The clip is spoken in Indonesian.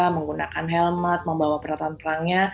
menggunakan helmat membawa peralatan perangnya